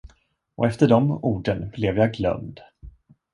Och efter de orden blev jag glömd.